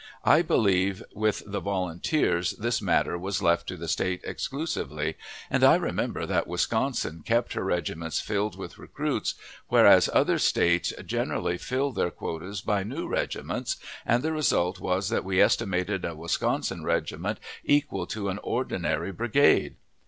I believe with the volunteers this matter was left to the States exclusively, and I remember that Wisconsin kept her regiments filled with recruits, whereas other States generally filled their quotas by new regiments, and the result was that we estimated a Wisconsin regiment equal to an ordinary brigade.